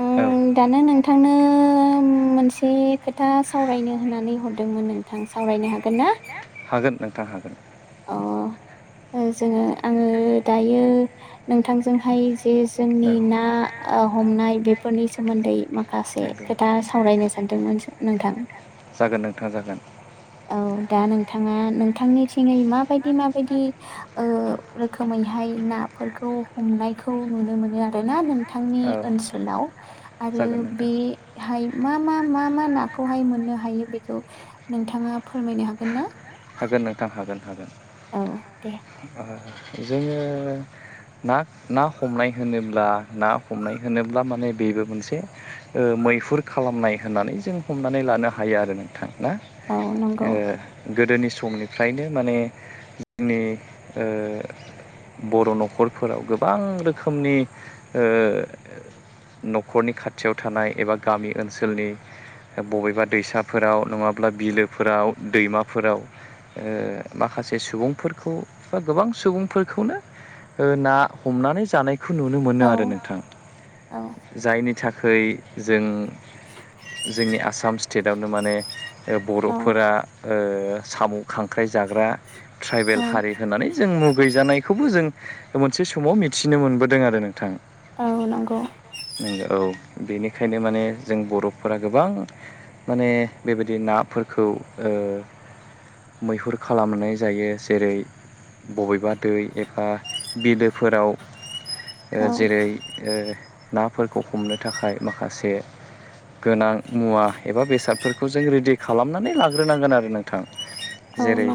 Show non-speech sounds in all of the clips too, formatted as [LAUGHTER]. आं दाना नोंथांनो आं मोनसे खोथा सावरायनो होननानै हरदोंमोन नोंथां, सावरायनो हागोन ना? हागोन नोंथां हागोन। अ जोङो आङो दायो नोंथांजोंहाय जे जोंनि ना हमनाय ओ बेफोरनि सोमोन्दै मा खासे खोथा सावरायनो सानदोंमोनसो नोंथां। औ, दा नोंथाङा नोंथांननि थिङै माबायदि माबायदि ओ रोखोमैहाय नाफोरखौ हमनायखौ नुनो मोनो आरोना नोंथांनि ओनसोलाव आरो बे हाय मा मा मा मा नाखौहाय मोननो हायो बेखौ नोंथाङा फोरमायनो हागोन ना? हागोन नोंथां, हागोन हागोन, ओ जोङो ना ना हमनाय होनोब्ला ना हमनाय होनोब्ला माने बेबो मोनसे ओ मैहुर खालामनाय होननानै जों हमनानै लानो हायो आरो नोंथां। ना। ओ गोदोनि समनिफ्रायनो माने जोंनि ओ बर' न'खरफोराव गोबां रोखोमनि ओ न'खरनि खाथियाव थानाय एबा गामि ओनसोलनि बबेबा दैसाफोराव नङाब्ला बिलोफोराव दैमा फोराव ओ माखासे सुबुंफोरखौ बा गोबां सुबुंफोरखौनो ओ ना हमनानै जानायखौ नुनो मोनो आरो नोंथां। जायनि थाखाय जों जोंनि आसाम स्टेटआवनो माने ओ बर'फोरा ओ साम' खांख्राइ जाग्रा ट्राइबेल हारि होननानै जों मु गैजानायखौबो जों मोनसे समाव मिथिनो मोनबोदों आरो नोंथां। औ नंगौ। बेनिखायनो माने जों बर'फोरा गोबां माने बेबायदि नाफोरखौ ओ मैहुर खालामनाय जायो जेरै बबेबा दै एबा बिलोफोराव ओ जेरै ओ नाफोरखौ हमनो थाखाय माखासे गोनां मुवा एबा बेसादफोरखौ जों रेडि खालामनानै लाग्रोनांगोन आरो। नोंथां जेरै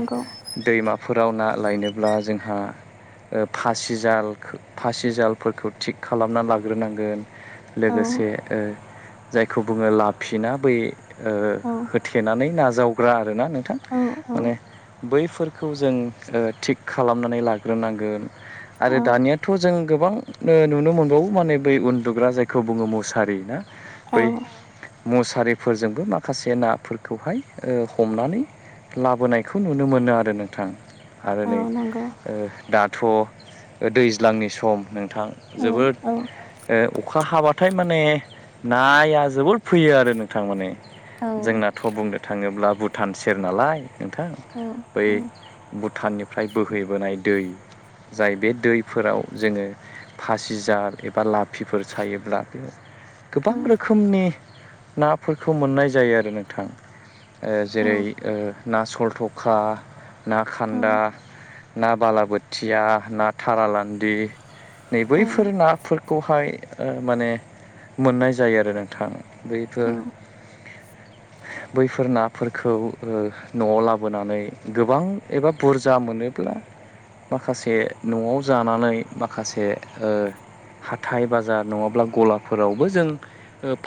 दैमाफोराव ना लायनोब्ला जोंहा फासिजाल फासिजालफोरखौ थिग खालामना लाग्रोनांगोन। लोगोसे ओ जायखौ बुङो लाफिना बै ओ होथेनानै नाजावग्रा आरोना नोंथां माने बैफोर खौ जों ओ थिग खालामनानै लाग्रोनांगोन आरो दानियाथ' जों गोबां नुनो मोनबावो मे बै उन्दुग्रा जायखौ बुङो मुसारि ना औ। मुसारिफोरजोंबो माखासे नाफोरखौहाय हमनानै लाबोनायखौ नुनो मोनो आरो नोंथां। आरो नै ओ दाथ' दैज्लांनि सम नोंथां जोबोद अखा ओ हाबाथाय माने नाया जबोद फैयो आरो नोंथांमोनाने जोंनाथ' बुंनो थाङोब्ला भुटान सेर नालाय नोंथां बै भुटाननिफ्राय बोहैबोनाय दै जाय बे दैफोराव जोङो फासिजार एबा लाफिफोर सायोब्ला बे गोबां रोखोमनि नाफोरखौ मोननाय जायो आरो नोंथां। जेरै ना सलथखा, ना खान्दा ना बालाबोोथिया ना थारालान्दि नै बैफोर नाफोरखौहाय माने मोननाय जायो आरो नोंथां बैफोर बैफोर ना फोरखौ ओ न'आव लाबोनानै गोबां एबा बुरजा मोनोब्ला माखासे न'आव जानानै माखासे ओ हाथाय बाजार नङाब्ला गलाफोरावबो जों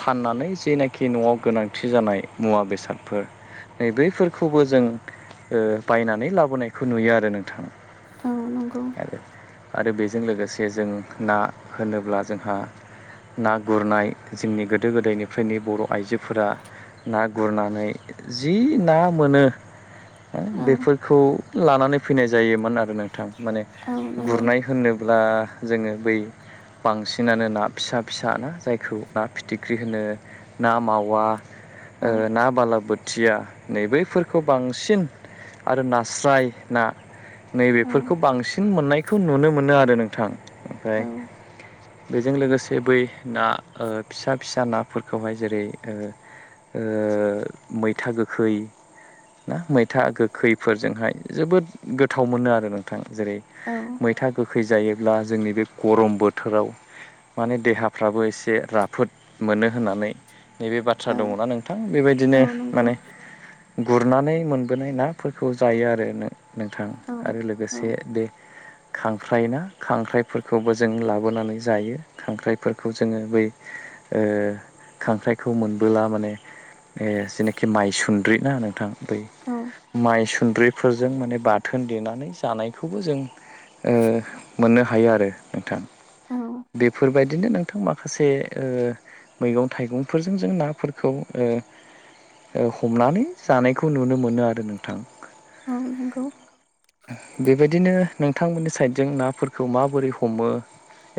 फाननानै जेनाखि न'आव गोनांथि जानाय मुवा बेसादफोर नै बैफोरखौबो जों ओ बायनानै लाबोनायखौ नुयो आरो नोंथां। आरो आरो बेजों लोगोसे जों ना होनोब्ला जोंहा ना गुरनाय जोंनि गोदो गोदायनिफ्रायनो बर ' आइजोफोरा ना गुरनानै जि ना मोनो बेफोरखौ लानानै फैनाय जायोमोन आरो नोंथां माने गुरनाय होननो ब्ला जोङो बै बांसिनानो ना फिसा फिसा ना जायखौ ना फिथिख्रि होनो ना मावा ना बालाबोद खुथिया नैबैफोरखौ बांसिन आरो नास्राय ना नैबेफोरखौ बांसिन मोननायखौ नुनो मोनो आरो नोंथां ओमफ्राय बेजों लोगोसे बै ना ओ फिसा फिसा नाफोरखौहाय जेरै ओ मैथा गोखै ना मैथा गोखैफोरजोंहाय जोबोद गोथाव मोनो आरो नोंथा। जेरै मैथा गोखै जायोब्ला जोंनि बे गरम बोथोराव माने देहाफ्राबो एसे राफोद मोनो होननानै नैबे बाथ्रा दङना नोंथां बेबायदिनो नंगौ। गुरनानै मोनबोनाय नाफोरखौ जायो आरो नों नोंथां आरो लोगोसे बे खांख्राइ ना खांख्राइफोरखौबो जों लाबोनानै जायो खांख्राइफोरखौ जोङो बै ओ खांख्राइखौ मोनबोला माने ओ जि। खि माइ सुद्रि ना नोंथां बै माइ सु नद्रि फोरजों माने बाथोन देनानै जानायखौबो जों ओ मोननो हायो आरो नोंथां बेफोरबाय बिदिनो नोंथां माखासे ओ मैगं-थाइगंफोरजों जों ना फोरखौ ओ ओ हमनानै जानायखौ नुनो मोनो आरो नोंथां। औ नंगौ। बेबायदिनो नोंथांमोननि साइडजों नाफोरखौ माबोरै हमो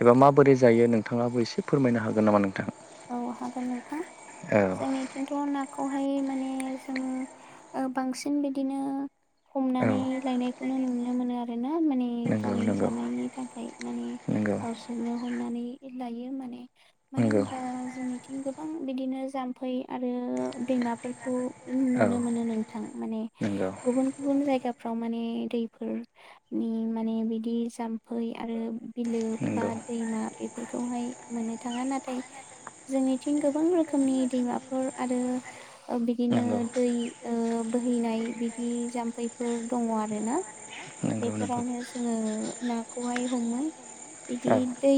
एबा माबोरै जायो नोंथाङाबो एसे फोरमायनो हागोन नामा नोंथां? औ हागोन नोंथां। जोंनिथिंथ' नाखौहाय माने जों ओ बांसिन बिदिनो हमनानै लायनायखौनो नुनो मोनो आ‌ नो माने गावनि जानायनि थाखाय माने गावसोरनो हमनानै लायो माने माने जोंनिथिं गोबां बिदिनो जाम्फै आरो दैमाफोरखौ नुनो मोनो नोंथां माने गुबुन गुबुन जायगा फ्राव माने दैफोर नि माने बिदि जाम्फै आरो बिलो बा दैमा बेफोरखौहाय मोननो थाङा नाथाय। जोंनिथिं गोबां रोखोमनि दैमाफोर आरो बिदिनो दै ओ बोहैनाय बिदि जाम्फै फोर दङ आरोना बेफोरावनो जोङो नाखौहाय हमो। बिदि दै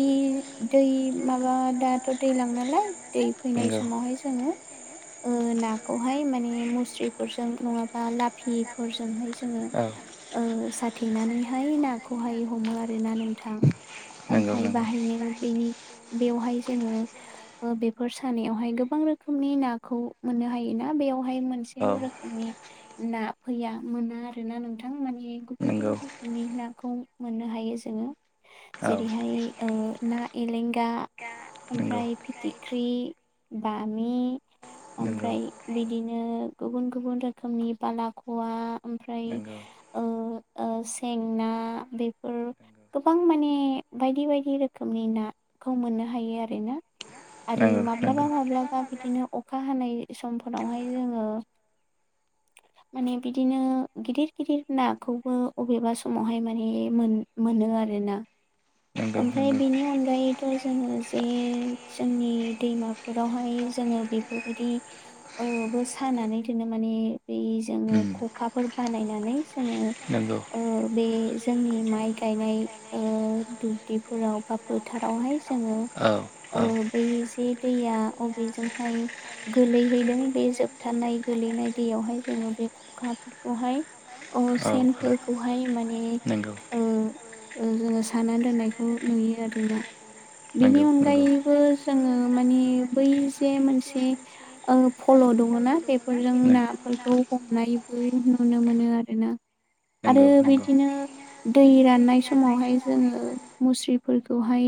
दै माबा दा थ' दैलां नालाय दै फैनाय समावहाय जोङो ओ ना खौहाय माने मुस्रिफोरजों नङाबा लाफिफोरजोंहाय जोङो ओ साथेनानैहाय नाखौहाय हमो आरो ना नोंथां। ओमफ्राय बाहायनो बेनि बेवहाय ओ बेफोर सानायावहाय गोबां रोखोमनि नाखौ मोननो हायोना बेयाव हाय मोनसेल' रोखोमनि ना फैया मोना आरोना नोंथां। गुबुन गुबुन रोखोमनि नाखौ मोननो हायो जोङो। जेरैहाय ओ ना एलें गा ओमफ्राय फिथिख्रि, बामि ओमफ्राय बिदिनो गुबुन गुबुन रोखोमनि बालाख'वा ओमफ्राय ओ सें ना बेफोर गोबां माने बायदि बायदि रोखोमनि ना खौ मोननो हायो आरो। [INAUDIBLE] [INAUDIBLE] आरो माब्लाबा माब्लाबा बिदिनो अखा हानाय समफोरावहाय जोङो [INAUDIBLE] माने बिदिनो गिदिर गिदिर नाखौबो अबेबा समावहाय माने मोन मोनो आरोना ओमफ्राय बिनि अनगायैथ' जोङो नि जोंनि दैमाफोरावहाय जोङो बेफोरबायदिबो ओ साना दोनो माने बे जोङो ख'खाफोर बानायनानै जोङो ओ बे जोंनि माइ गायनाय ओ दुब्लिफोराव बा फोथारावहाय जोङो ओ बै जे दैया अबेजोंहाय गोलैहैदों बे जोबथनाय गोलैनाय दैयावहाय जोङो बे ख'खाफोरखौहाय, अ सेनफोरखौहाय माने ओ ओ जोङो साना दोननायखौ नुयो आरोना। बेनि अनगायैबो जोङो मानिे बै जे मोनसे फल' दङ ना बेफोरजों नाफोरखौ हमनायबो नुनो मोनो आरोना। आरो बिदिनो दै राननाय समावहाय जोङ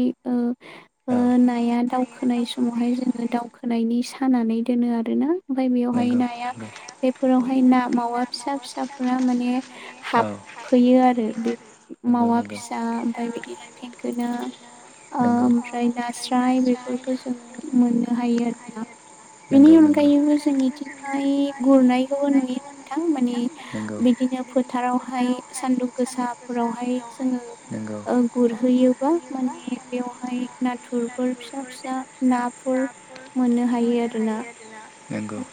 [INAUDIBLE] ओ नाया दावखोनाय समावहाय जोङो दावखोनायनि सानानै दोनो आरोना आमफ्राय बेयावहाय नाया बेफोरावहाय ना मावा फिसा फिसाफोरा माने हाबफैयो आरो। बे मावा फिसा ओमफ्राय बिदिनो थेंगोना। ओमफ्राय नास्राय बेफोरखौ जों मोननो हायो आरोना। बेनि अनगायै। बिदिनो फोथारावहाय सानदुं गोसाफोरावहाय जोङो। ओ गुरहैयोबा माने। बेवहाय नाथुरफोर फिसा फिसा नाफोर मोननो हायो आरोना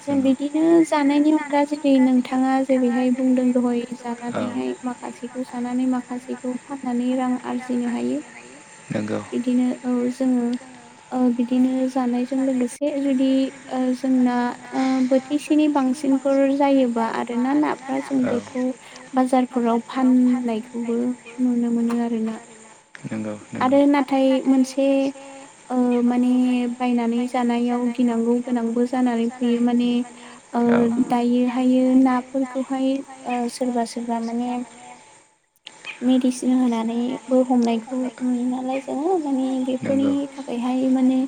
जों बिदिनो जानायनि अनगा जों दि नोंथाङा जेरैहाय बुंदों दहाय जानानैहाय माखौ। माखासेखौ जानानै माखासेखौ फाननानै रां आरजिनो हायो। बिदिनो औ जोङो औ बिदिनो जानायजों लोगोसे जुदि ओ जोंना [INAUDIBLE] बोथिसेनि बांसिनफोर जायोबा आरो ना नाफोरा जों बेखौ बाजारफोराव फान [UNINTELLIGIBLE] आरो नाथाय मोनसे ओ माने बायनानै। जानायाव गिनांगौ गोनांबो जानानै फैयो माने ओ दायो हायो ना। नाफोरखौहाय सोरबा सोरबा माने मेडिसिन होनानैबो हमनायखौ। नालाय जोङो माने बेफोरनि थाखायहाय माने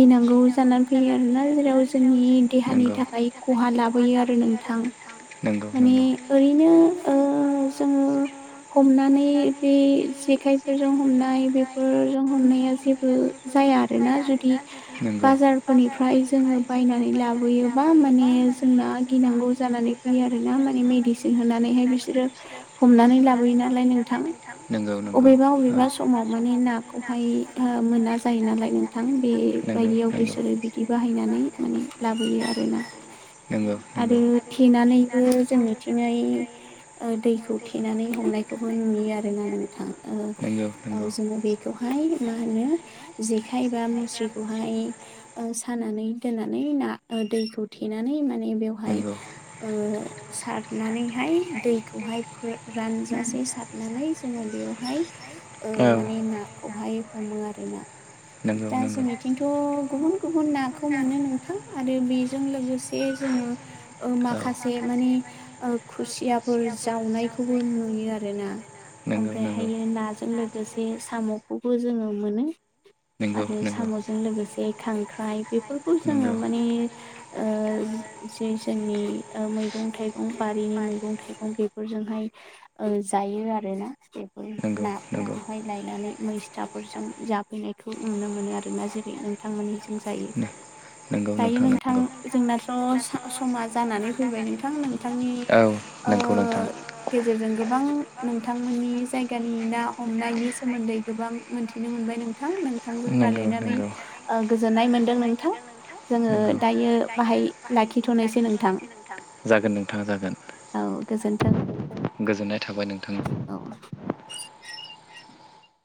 गि नांगौ जानानै फैयो आरोना जेराव जोंनि देहानि थाखाय खहा लाबोयो आरो नोंथां। माने ओरैनो जोङो हमनानै बे जेखाइफोरजों हमनाय बेफोरजों हमनाया जेबो जाया आरोना जुदि बाजारफोरनिफ्राय जोङो बायनानै लाबोयोबा माने जोंना गिनांगौ जानानै [INAUDIBLE] मेडिसिन होनानैहाय बिसोरो हमनानै लाबोयो नालाय नोंथां अबेबा अबेबा समाव माने नाखौहाय मोना जायो नालाय नोंथां बे बायदियाव बिसोरो बिदि बाहायनानै माने लाबोयो आरोना आरो थेनानैबो जोंनिथिंङै दैखौ थेनानै हमनायखौबो नुयो आरोना नों थां ओ औ जोङो बेखौहाय मा होनो जेखाइ बा मुस्रिखौ ओं सानानै दोननानै ना ओ दैखौ थेनानै ना मा बेहाय ओ सारनानैहाय दैखौहाय फो रानजासे जे सारनानै जोङो बेवहाय ओ माने नाखौहाय हमो आरो ना। दा जोंनिथिंथ' गुबुन गुबुन नाखौ मोनो नोंथां आरो बि जों लोगोसे जोङो ओ माखासे माने ओ खुसिया फोर जावनायखौबो नुयो आरोना। ओमफ्रायहायो नाजों लोगोसे साम'खौबो जोङो मोनो। आरो साम'जों लोगोसे खांख्राइ बेफोरखौ जोङो माने ओ जि जोंनि ओ मैगं थाइगं बारिनि मैगं थाइगं बेफोरजोंहाय ओ जायो आरोना। बेफोर नाफोरखौहाय लायनानै मैस्थाफोरजों जाफैनायखौ नुनो मोनो आरोना। जेरै नोंथांमोननि जों जायो। दायो नोंथां जोंनाथ' समा जानानै फैबाय नोंथां नों। नोंथांनि ओ गेजेरजों गोबां नोंथां। मोननि जायगानि ना हमनायनि सोमोन्दै गोबां मोनथिनो मोनबाय नोंथां नोंथांजों रायज्लायनानै। ओ गोजोननाय मोन्दों नोंथां। जोङो दायो बाहाय लाखिथ'नोसै नोंथां। जागोन नोंथाङा जागोन। गोजोन्थों। गोजोननाय थाबाय नोंथां। औ।